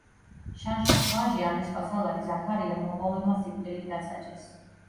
შანშეს ვაჟი ამირსპასალარი ზაქარია მონღოლებმა სიკვდილით დასაჯეს.